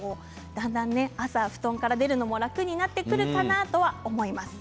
だんだん朝、布団から出るのも楽になってくるかなと思います。